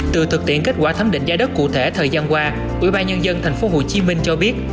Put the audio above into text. từ thực tiễn kết quả thấm định giá đất cụ thể thời gian qua ubnd tp hcm cho biết